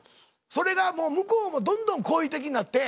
それがもう向こうもどんどん好意的になって。